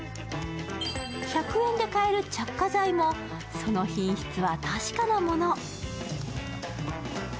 １００円で買える着火剤もその品質は確かなもの。